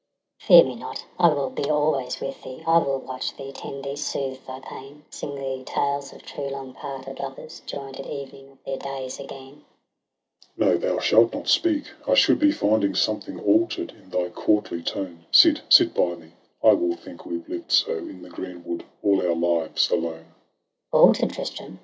I. P 2IO TRISTRAM AND ISEULT. Iseult. Fear me not, I will be always with thee; I will watch thee, tend thee, soothe thy pain; Sing thee tales of true, long parted lovers, Join'd at evening of their days again. Iris tram. No, thou shalt not speak! I should be finding Something alter'd in thy courtly tone. Sit — sit by me ! I will think, we've lived so In the green wood, all our lives, alone. Iseult, Alter'd, Tristram?